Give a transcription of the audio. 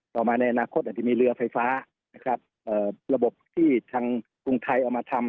ต่อมาในอนาคตอาจจะมีเรือไฟฟ้านะครับระบบที่ทางกรุงไทยเอามาทำ